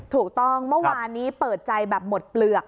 ถูกต้องเมื่อวานนี้เปิดใจหมดเปลือก